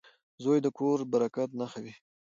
• زوی د کور د برکت نښه وي.